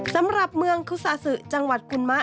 สำหรับเมืองคุซาซึจังหวัดคุณมะ